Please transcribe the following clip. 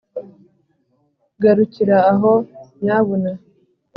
garukira aho nyabuna!